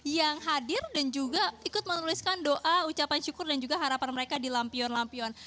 yang hadir dan juga ikut menuliskan doa ucapan syukur dan juga harapan mereka di lampion lampion